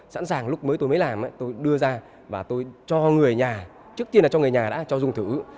sẵn sàng lúc mới tôi mới làm tôi đưa ra và tôi cho người nhà trước tiên là cho người nhà đã cho dùng thử